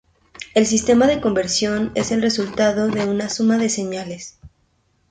El sistema de conversión es el resultado de una suma de señales.